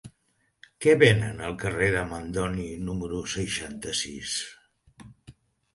Què venen al carrer de Mandoni número seixanta-sis?